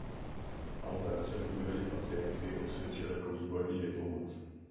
Albert se v úřadě patriarchy osvědčil jako výborný diplomat.